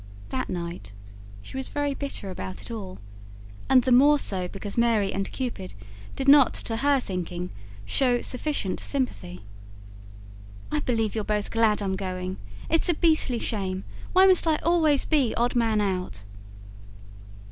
That night she was very bitter about it all, and the more so because Mary and Cupid did not, to her thinking, show sufficient sympathy. "I believe you're both glad I'm going. It's a beastly shame. Why must I always be odd man out?"